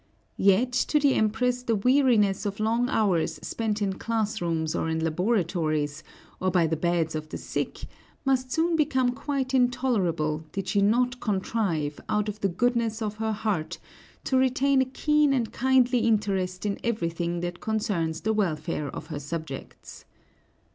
Yet to the Empress the weariness of long hours spent in classrooms or in laboratories, or by the beds of the sick, must soon become quite intolerable did she not contrive, out of the goodness of her heart, to retain a keen and kindly interest in everything that concerns the welfare of her subjects.